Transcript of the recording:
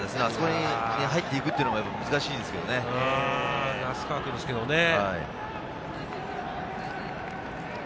あそこに入っていくというのは難しいですけどね。